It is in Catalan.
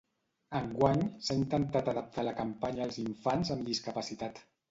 Enguany s'ha intentat adaptar la campanya als infants amb discapacitat.